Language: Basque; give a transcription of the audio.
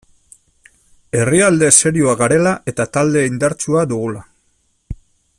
Herrialde serioa garela eta talde indartsua dugula.